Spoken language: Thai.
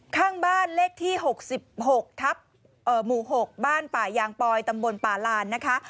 ข้างบ้านเลขที่หกสิบหกทับเอ่อหมู่หกบ้านป่ายางปอยตำบลป่าลานนะคะ